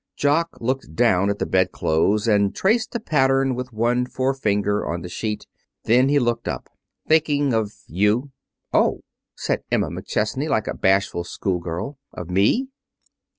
Jock looked down at the bedclothes and traced a pattern with one forefinger on the sheet. Then he looked up. "Thinking of you." "Oh!" said Emma McChesney, like a bashful schoolgirl. "Of me!"